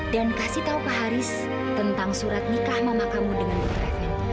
dan kasih tahu pak haris tentang surat nikah mama kamu dengan dokter effendi